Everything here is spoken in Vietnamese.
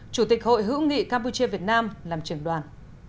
chủ tịch hội hữu nghị campuchia việt nam làm trưởng đoàn